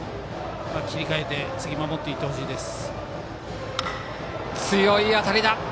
切り替えて次、守っていってほしいです。